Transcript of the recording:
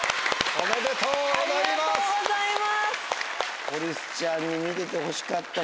ありがとうございます。